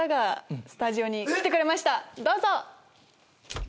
どうぞ！